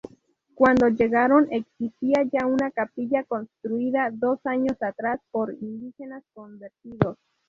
Cuando llegaron, existía ya una capilla construida dos años atrás por indígenas convertidos.